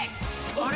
あれ？